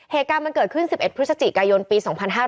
เหตุการณ์มันเกิดขึ้น๑๑พฤศจิกายนปี๒๕๕๙